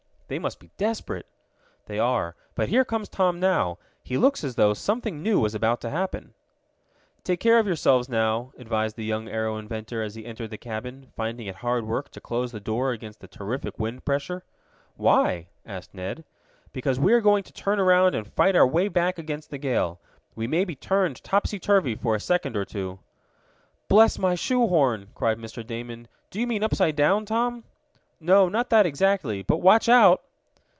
"They must be desperate." "They are. But here comes Tom now. He looks as though something new was about to happen." "Take care of yourselves now," advised the young aero inventor, as he entered the cabin, finding it hard work to close the door against the terrific wind pressure. "Why?" asked Ned. "Because we are going to turn around and fight our way back against the gale. We may be turned topsy turvy for a second or two." "Bless my shoe horn!" cried Mr. Damon. "Do you mean upside down, Tom?" "No, not that exactly. But watch out!"